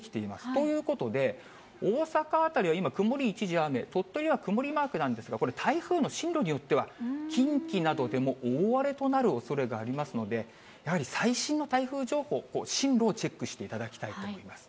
ということで、大阪辺りは今、曇り一時雨、鳥取は曇りマークなんですが、これ、台風の進路によっては、近畿などでも大荒れとなるおそれがありますので、やはり最新の台風情報、進路をチェックしていただきたいと思います。